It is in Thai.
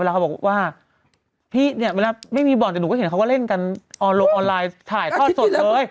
แล้วเขาบอกว่าพี่เนี่ยเวลาไม่มีบ่อนแต่หนูก็เห็นเขาก็เล่นกันลงออนไลน์ถ่ายทอดสดเลย